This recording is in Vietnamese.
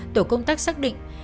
tổ công tác xác định